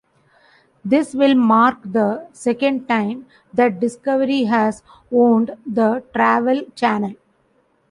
This will mark the second time that Discovery has owned the Travel Channel.